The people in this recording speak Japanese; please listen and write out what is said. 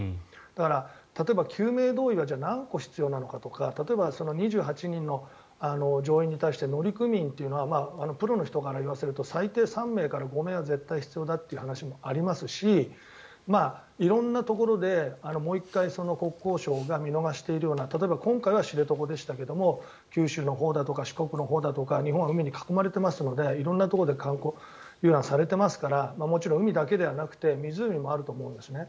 だから、例えば救命胴衣は何個必要なのかとか例えば２８人の乗員に対して乗組員はプロの人から言わせると最低３名から５名は絶対必要だという話もありますし色んなところでもう１回、国交省が見逃しているような例えば、今回は知床でしたが九州のほうだとか四国のほうだとか日本は海に囲まれていますので色んなところで観光遊覧されていますからもちろん海だけではなくて湖もあると思います。